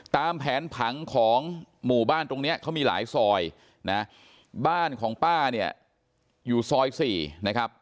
ตามแผนผังของหมู่บ้านตรงเนี้ยเขามีหลายซอยนะบ้านของป้าเนี่ยอยู่ซอย๔นะครับ